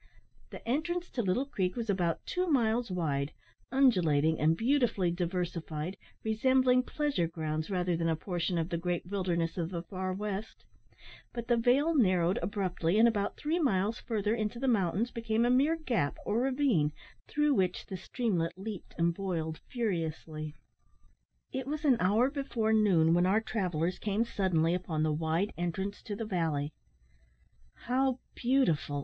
The entrance to Little Creek was about two miles wide, undulating, and beautifully diversified, resembling pleasure grounds rather than a portion of the great wilderness of the far west; but the vale narrowed abruptly, and, about three miles further into the mountains, became a mere gap or ravine through which the streamlet leaped and boiled furiously. It was an hour before noon when our travellers came suddenly upon the wide entrance to the valley. "How beautiful!"